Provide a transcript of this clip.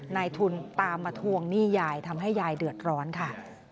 นายทุนตามมาทวงหนี้ยายทำให้ยายเดือดร้อนค่ะ